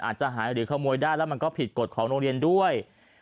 อาจจะหายหรือขโมยได้แล้วมันก็ผิดกฎของโรงเรียนด้วย